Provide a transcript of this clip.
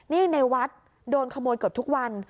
นี่ในวัดโดนขโมยเกือบทุกวัน